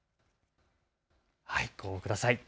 ご応募ください。